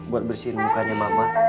buat bersihin mukanya mama